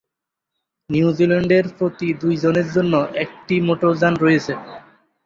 নিউজিল্যান্ডের প্রতি দুই জনের জন্য একটি মোটরযান রয়েছে।